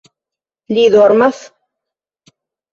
- Li dormas?